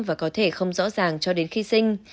và có thể không rõ ràng cho đến khi sinh